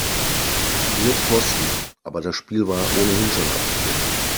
Nur Pfosten, aber das Spiel war ohnehin schon abgepfiffen.